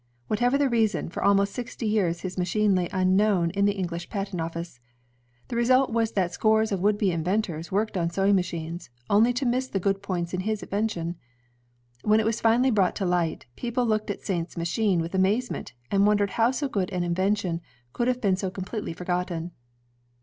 Whatever the reason, for ahnost sixty years his machine lay unknown in the English patent office. The result was that scores of would be inventors worked on sewing machines, only to miss the good points in his invention. When it was finally brought to light, people looked at Saint's machine with amazement, and wondered how so great an invention could have been so completely forgotten.